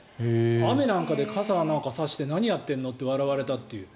雨なんかで傘なんか差して何やってんのって笑われたっていう。